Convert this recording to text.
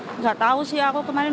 tidak tahu sih aku kemarin